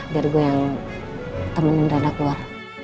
biar gue yang temenin dana keluar